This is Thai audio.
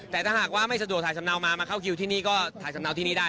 แต่ถ้าหากว่าไม่สะดวกถ่ายสำเนามามาเข้าคิวที่นี่ก็ถ่ายสำเนาที่นี่ได้